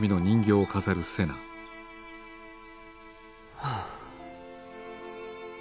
はあ。